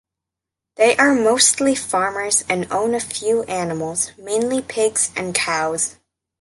They are mostly farmers and own a few animals, mainly pigs and cows.